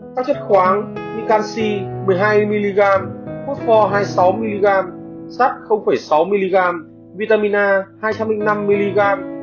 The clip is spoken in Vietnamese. các chất khoáng như canxi một mươi hai mg phosphorus hai mươi sáu mg sắc sáu mg vitamin a hai mươi năm mg